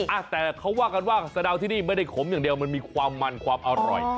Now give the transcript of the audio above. อ่ะแต่เขาว่ากันว่าสะดาวที่นี่ไม่ได้ขมอย่างเดียวมันมีความมันความอร่อย